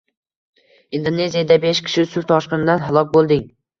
Indoneziyada besh kishi suv toshqinidan halok bo‘lding